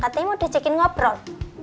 katanya mau dicekin ngobrol